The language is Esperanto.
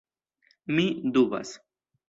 Mi dubas.